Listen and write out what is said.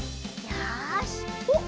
よしおっ